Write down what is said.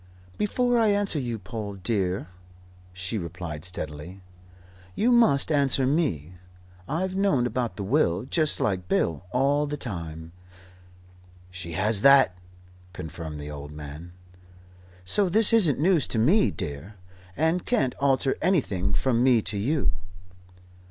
"Before I answer you, Paul dear," she replied steadily, "you must answer me. I've known about the will, just like Bill, all the time " "She has that," confirmed the old man. "So this isn't news to me, dear, and can't alter anything from me to you."